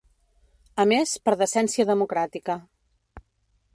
A més, per decència democràtica.